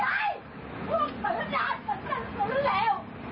ไปดูเรื่องกันเลย